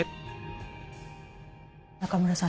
中村さん